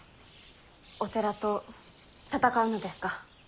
お寺と戦うのですか。